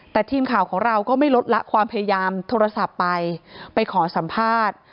แต่ทีมข่าวของเราก็ไม่ลดละความพยายามโทรศัพท์ไปไปขอสัมภาษณ์